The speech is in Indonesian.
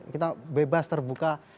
kita bebas terbuka